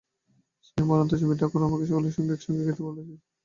সেই আমার অন্তর্যামী ঠাকুর আমাকে সকলের সঙ্গে আজ একসঙ্গে খেতে বলে দিয়েছেন।